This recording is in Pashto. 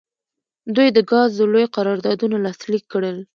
دوی د ګازو لوی قراردادونه لاسلیک کړل.